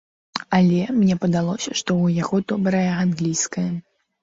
Але мне падалося, што ў яго добрая англійская.